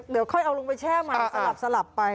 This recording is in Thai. เดี๋ยวค่อยเอาลงไปแช่มันสลับไป